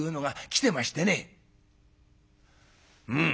「うん」。